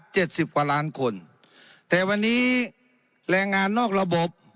สิบกว่าล้านคนแต่วันนี้แรงงานนอกระบบ